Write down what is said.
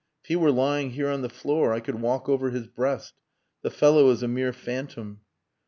If he were lying here on the floor I could walk over his breast.... The fellow is a mere phantom...."